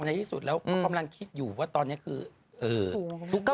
ในที่สุดแล้วเขากำลังคิดอยู่ว่าตอนนี้คือ